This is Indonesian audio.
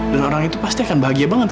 dan orang itu pasti akan bahagia banget